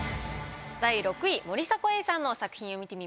第６位森迫永依さんの作品を見てみましょう。